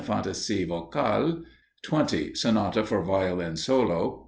Fantaisie Vocale. 20. Sonata, for Violin Solo.